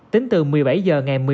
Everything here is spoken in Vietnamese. tính từ một mươi bảy h ngày một